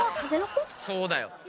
そうだよ。